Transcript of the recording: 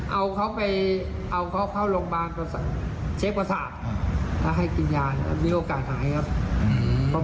เอาเค้าไปเอาเค้าเข้าโรงพยาบาลเช็คประสาทแล้วให้กินยาแล้วมีโอกาสหายครับ